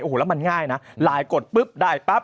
โอ้โหแล้วมันง่ายนะไลน์กดปุ๊บได้ปั๊บ